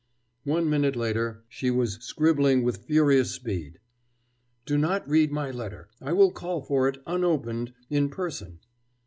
One minute later, she was scribbling with furious speed: Do not read my letter. I will call for it unopened in person.